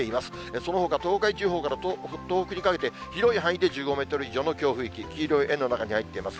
そのほか、東海地方から東北にかけて広い範囲で１５メートル以上の強風域、黄色い円の中に入っています。